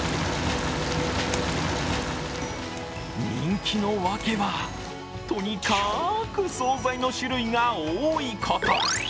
人気の訳は、とにかく総菜の種類が多いこと。